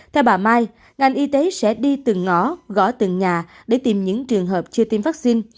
theo bà mai ngành y tế sẽ đi từng ngõ gõ từng nhà để tìm những trường hợp chưa tiêm vaccine